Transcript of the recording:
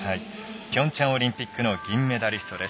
ピョンチャンオリンピック銀メダリストです。